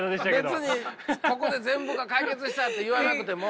別にここで全部が解決したって言わなくても。